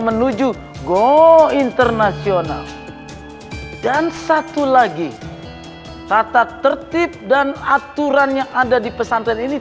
menuju go internasional dan satu lagi tata tertib dan aturan yang ada di pesantren ini